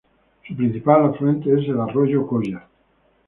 Su principal afluente es el arroyo Colla.